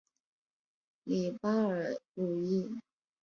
里巴尔鲁伊。